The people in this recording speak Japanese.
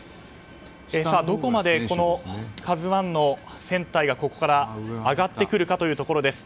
どこまで「ＫＡＺＵ１」の船体が上がってくるかというところです。